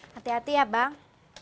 hati hati ya bang